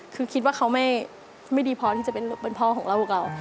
คือคิดว่าเขาไม่ดีพอที่จะเป็นพ่อของเราพวกเรา